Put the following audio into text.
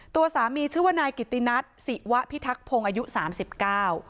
ตัวสามีชื่อว่านายกิตินัทศิวะพิทักพงศ์อายุสามสิบเก้า